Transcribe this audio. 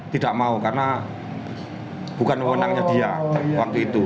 tidak mau karena bukan wewenangnya dia waktu itu